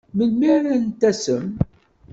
Melmi ara n-tasem?